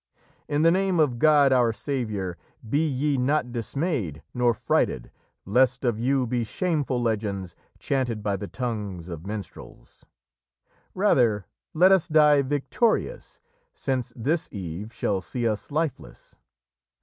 In the name of God our Saviour, Be ye not dismayed nor frighted, Lest of you be shameful legends Chanted by the tongues of minstrels. Rather let us die victorious, Since this eve shall see us lifeless!